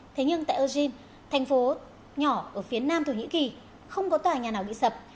thế nhưng tại ogin thành phố nhỏ ở phía nam thổ nhĩ kỳ không có tòa nhà nào bị sập